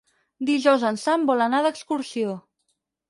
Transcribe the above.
Dijous en Sam vol anar d'excursió.